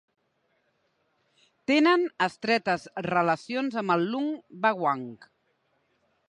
Tenen estretes relacions amb el Lun Bawang.